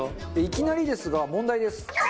いきなりですが問題です。